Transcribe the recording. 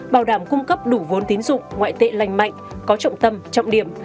bảo đảm cung cấp đủ vốn tín dụng ngoại tệ lành mạnh có trọng tâm trọng điểm